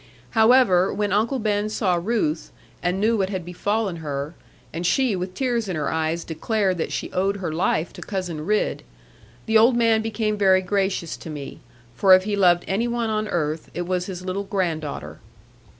However, when Uncle Ben saw Ruth, and knew what had befallen her, and she with tears in her eyes declared that she owed her life to Cousin Ridd, the old man became very gracious to me; for if he loved any one on earth, it was his little granddaughter.